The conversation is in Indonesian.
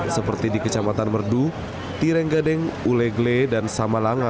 seperti di kecamatan merdu tirenggadeng ulegle dan samalanga